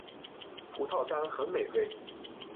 葡萄干很美味。